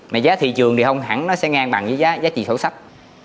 mà giá thị trường thì không hẳn nó sẽ ngang bằng với giá trị sổ sách